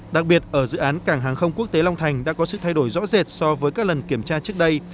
đặc biệt ở dự án cảng hàng không quốc tế long thành đã có sự thay đổi rõ rệt so với các lần kiểm tra trước đây